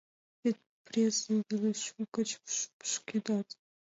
Вет презым веле шӱй гыч шупшкедат!